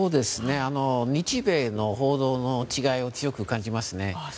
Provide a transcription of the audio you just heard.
日米の報道の違いを強く感じますね。